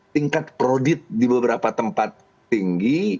tingkat prodit di beberapa tempat tinggi